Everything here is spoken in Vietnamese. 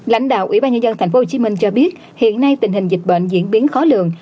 lãnh đạo ủy ban nhân dân tp hcm cho biết hiện nay tình hình dịch bệnh diễn biến khó lường